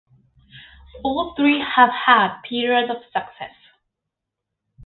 All three have had periods of success.